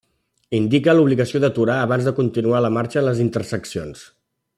Indica l'obligació d'aturar abans de continuar la marxa en les interseccions.